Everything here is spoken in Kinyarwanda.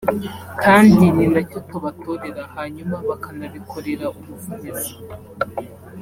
kandi ni nacyo tubatorera hanyuma bakanabikorera ubuvugizi